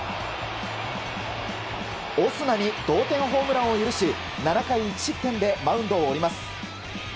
オスナに同点ホームランを許し７回１失点でマウンドを降ります。